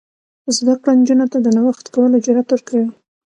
زده کړه نجونو ته د نوښت کولو جرات ورکوي.